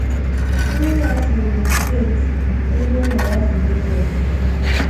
Nne ya si Ogun state ebe nna ya si Lagos.